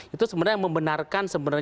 itu sebenarnya membenarkan